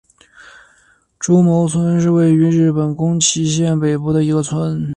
诸冢村是位于日本宫崎县北部的一个村。